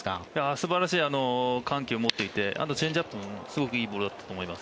素晴らしい緩急を持っていてあとチェンジアップもすごくいいボールだったと思います。